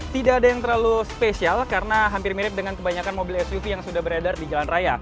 tidak ada yang terlalu spesial karena hampir mirip dengan kebanyakan mobil suv yang sudah beredar di jalan raya